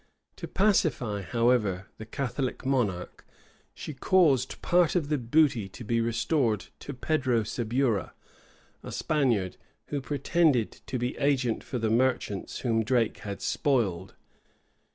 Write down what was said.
[*] To pacify, however, the Catholic monarch, she caused part of the booty to be restored to Pedro Sebura, a Spaniard, who pretended to be agent for the merchants whom Drake had spoiled.